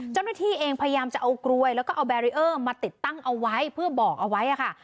เจ้าหน้าที่เองพยายามจะเอากลวยแล้วก็เอาแบรีเออร์มาติดตั้งเอาไว้เพื่อบอกเอาไว้ค่ะ